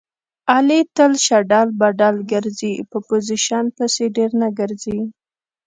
علي تل شډل بډل ګرځي. په پوزیشن پسې ډېر نه ګرځي.